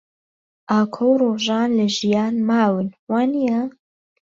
ئاکۆ و ڕۆژان لە ژیان ماون، وانییە؟